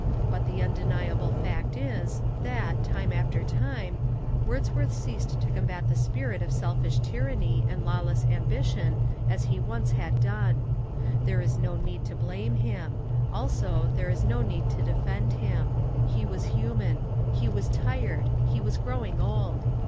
But the undeniable fact is that, after that time, Wordsworth ceased to combat the spirit of selfish tyranny and lawless ambition as he once had done. There is no need to blame him: also there is no need to defend him. He was human; he was tired; he was growing old.